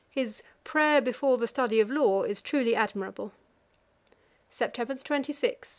His 'Prayer before the Study of Law' is truly admirable: 'Sept. 26, 1765.